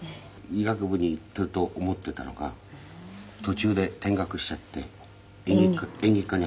医学部に行っていると思っていたのが途中で転学しちゃって演劇科に入っちゃったんです。